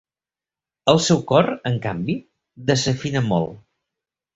El seu cor, en canvi, desafina molt.